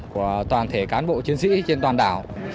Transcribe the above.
của toàn thể cán bộ chiến sĩ trên toàn đảo